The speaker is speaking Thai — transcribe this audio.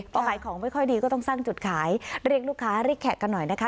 พอขายของไม่ค่อยดีก็ต้องสร้างจุดขายเรียกลูกค้าเรียกแขกกันหน่อยนะคะ